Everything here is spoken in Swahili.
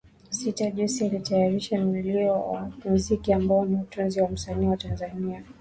sita Jose alitayarisha mlio wa mziki ambao ni utunzi wa msanii wa Tanzania